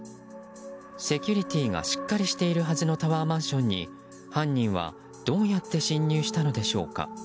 セキュリティーがしっかりしているはずのタワーマンションに犯人はどうやって侵入したのでしょうか。